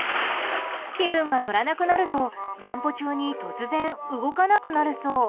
気分が乗らなくなると散歩中に突然、動かなくなるそう。